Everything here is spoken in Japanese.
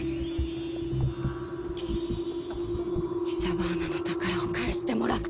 イシャバーナの宝を返してもらう。